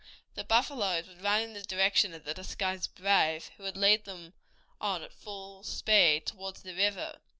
The buffaloes would run in the direction of the disguised brave, who would lead them on at full speed toward the river.